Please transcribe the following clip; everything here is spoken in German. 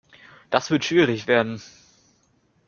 Das wird schwierig werden.